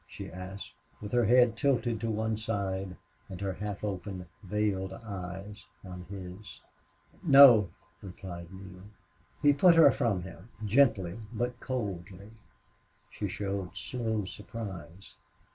she asked, with her head tilted to one side and her half open veiled eyes on his. "No," replied Neale. He put her from him, gently but coldly. She showed slow surprise.